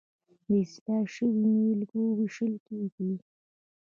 د اصلاح شویو نیالګیو ویشل کیږي.